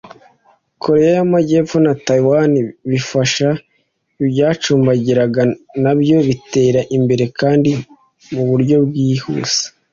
Korea y’Amajyepfo na Taiwan bifasha ibyacumbagiraga nabyo bitera imbere kandi mu buryo bwihuse